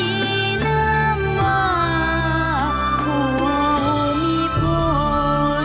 มิน้ำว่าภูอมิภพล